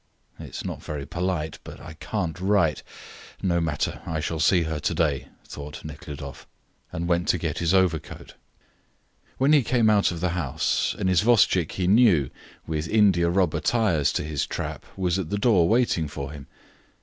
"It is not very polite, but I can't write; no matter, I shall see her today," thought Nekhludoff, and went to get his overcoat. When he came out of the house, an isvostchik he knew, with india rubber tires to his trap, was at the door waiting for him.